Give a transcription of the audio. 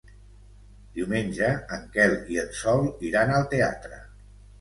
Diumenge en Quel i en Sol iran al teatre.